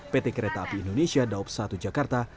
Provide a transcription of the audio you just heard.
pt kereta api indonesia daup satu jakarta